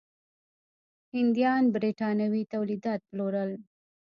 هندیان برېټانوي تولیدات پلورل.